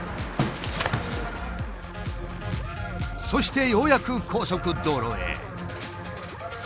そしてようやく高速道路へ。